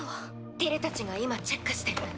ティルたちが今チェックしてる。